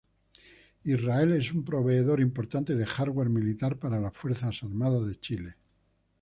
Israel es un proveedor importante de hardware militar para las Fuerzas Armadas de Chile.